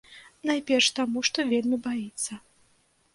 Найперш таму, што вельмі баіцца.